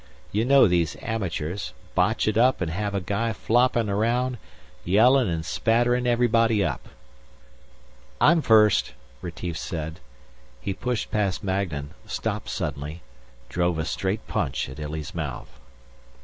You know these amateurs; botch it up and have a guy floppin' around, yellin' and spatterin' everybody up." "I'm first," Retief said. He pushed past Magnan, stopped suddenly, drove a straight punch at Illy's mouth.